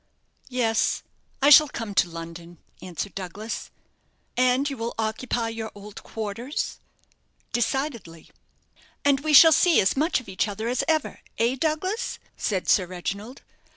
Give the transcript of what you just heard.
"Yes, I shall come to London," answered Douglas. "And you will occupy your old quarters?" "Decidedly." "And we shall see as much of each other as ever eh, Douglas?" said Sir Reginald.